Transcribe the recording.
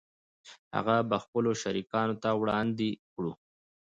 هغه به خپلو شریکانو ته وړاندې کړو